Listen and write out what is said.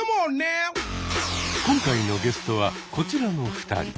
今回のゲストはこちらの２人。